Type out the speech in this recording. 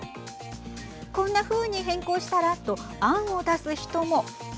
こんなふうに変更したらと案を出す人も。